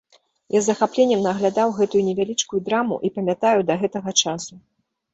Я з захапленнем наглядаў гэтую невялічкую драму і памятаю да гэтага часу.